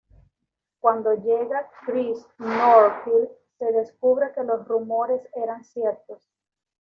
Cuando llega Chris Northfield, se descubre que los rumores eran ciertos.